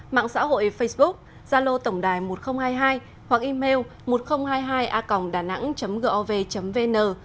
mạng xã hội facebook gia lô tổng đài một nghìn hai mươi hai hoặc email một nghìn hai mươi hai a danang gov vn